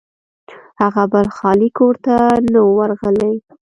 هغه بل خالي کور ته نه و ورغلی.